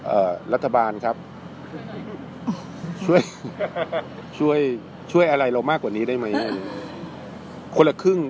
เอ่อรัฐบาลครับช่วยช่วยช่วยอะไรเรามากกว่านี้ได้ไหมคนละครึ่ง